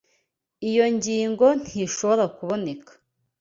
Iyo ngingo ntishobora kuboneka.